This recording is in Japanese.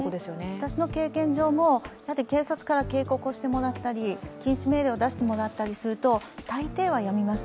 私の経験上も、警察から警告をしてもらったり禁止命令を出してもらったりすると、大抵はやめます。